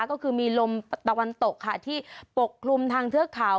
ก็คือมีลมตะวันตกค่ะที่ปกคลุมทางเทือกเขา